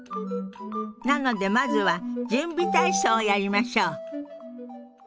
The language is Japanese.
なのでまずは準備体操をやりましょう。